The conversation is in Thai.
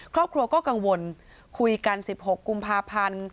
ครอบครัวก็กังวลคุยกัน๑๖กุมภาพันธ์